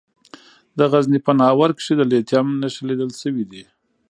د غزني په ناهور کې د لیتیم نښې لیدل شوي دي.